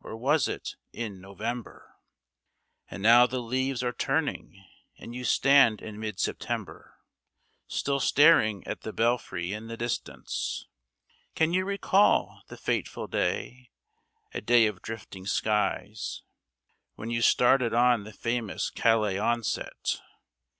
Or was it in November? And now the leaves are turning and you stand in mid September Still staring at the Belfry in the distance. Can you recall the fateful day a day of drifting skies, When you started on the famous Calais onset?